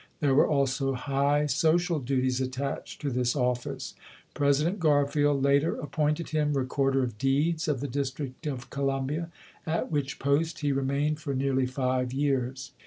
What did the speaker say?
There were also high social duties attached to this office. President Garfield later appointed him Recorder of Deeds of the District of Columbia, at which post he re mained for nearly five years.